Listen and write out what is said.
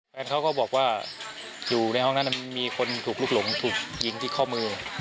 แฟนเขาก็บอกว่าอยู่ในห้องนั้นมีคนถูกลุกหลงถูกยิงที่ข้อมือ